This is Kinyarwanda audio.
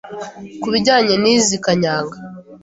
Ku bijyanye n’izi Kanyanga